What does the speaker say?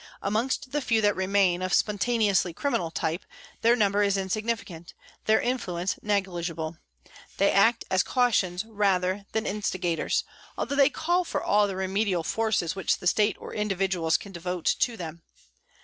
Amongst the few that remain of spontaneously criminal type, their number is insignificant, their influence neg ligible ; they act as cautions rather than instiga tors, although they call for all the remedial forces which the State or individuals can devote to them.